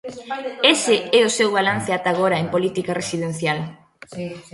Ese é o seu balance ata agora en política residencial.